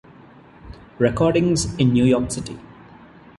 Recordings in New York City.